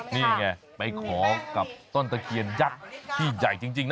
อ๋อนี่เองยไปขอกับต้นตะเกียร์ยักษ์ที่ใหญ่จริงนะ